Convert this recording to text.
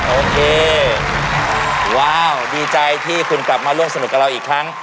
โอเคว้าวดีใจที่คุณกลับมาร่วมสนุกกับเราอีกครั้ง